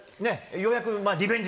ようやくリベンジ